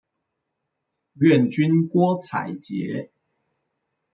願君郭采潔